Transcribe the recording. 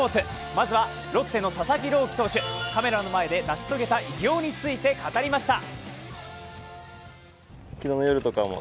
まずはロッテの佐々木朗希投手、カメラの前で成し遂げた偉業について語りました。